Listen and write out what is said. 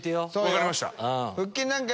分かりました。